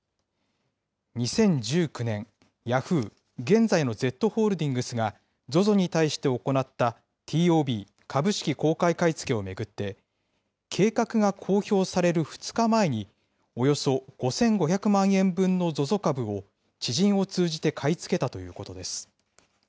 ２０１９年、ヤフー、現在のＺホールディングスがＺＯＺＯに対して行った、ＴＯＢ・株式公開買い付けを巡って、計画が公表される２日前に、およそ５５００万円分のＺＯＺＯ株を知人を通じて買い付けたということです。